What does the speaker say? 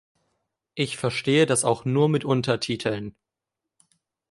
Ich verstehe das auch nur mit Untertiteln.